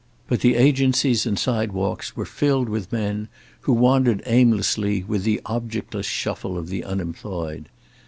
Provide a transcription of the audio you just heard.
But the agencies and sidewalks were filled with men who wandered aimlessly with the objectless shuffle of the unemployed.